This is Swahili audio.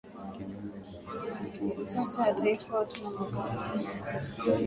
Kutokana na sensa ya taifa watu na makazi